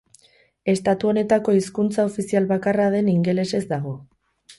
Estatu honetako hizkuntza ofizial bakarra den ingelesez dago.